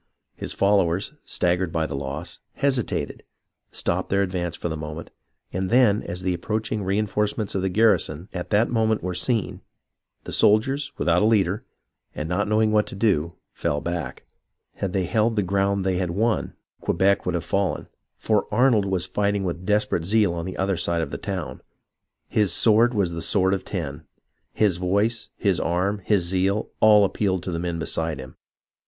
His followers, staggered by the loss, hesitated, stopped their advance for the moment, and then, as the approach ing reenforcements of the garrison at that moment were seen, the soldiers, without a leader, and not knowing what to do, fell back. Had they held the ground they had won Quebec would have fallen, for Arnold was fighting with desperate zeal on the other side of the town. His sword was as the sword of ten. His voice, his arm, his zeal, all appealed to the men beside him.